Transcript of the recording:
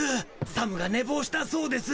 サムがねぼうしたそうです。